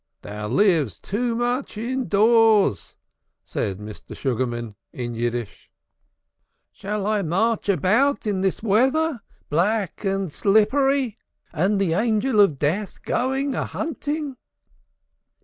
"Thou livest too much indoors," said Mr. Sugarman, in Yiddish. "Shall I march about in this weather? Black and slippery, and the Angel going a hunting?"